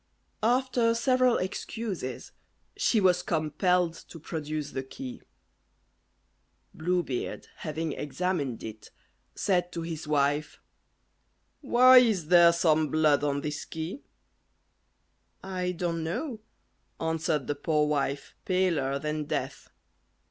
After several excuses, she was compelled to produce the key. Blue Beard having examined it, said to his wife, "Why is there some blood on this key?" "I don't know," answered the poor wife, paler than death.